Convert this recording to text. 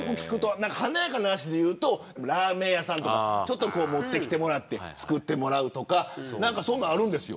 華やかな話で言うとラーメン屋さんとかに持ってきてもらって作ってもらうとかそんなんあるんですよ。